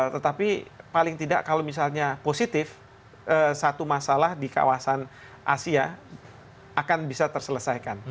tetapi paling tidak kalau misalnya positif satu masalah di kawasan asia akan bisa terselesaikan